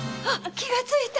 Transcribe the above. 気がついた！